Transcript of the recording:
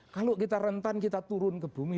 kalau kita rentan kita turun ke bumi